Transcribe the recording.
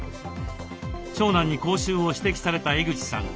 長男に口臭を指摘された江口さん。